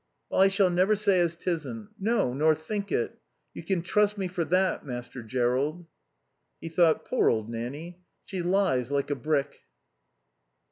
"Well, I shall never say as 'tisn't. No, nor think it. You can trust me for that, Master Jerrold." He thought: Poor old Nanny. She lies like a brick.